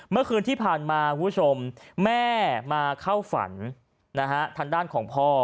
เมื่อคืนที่ผ่านมาคุณผู้ชมแม่มาเข้าฝันทางด้านของพ่อ